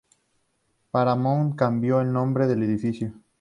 Paramount cambió el nombre del edificio.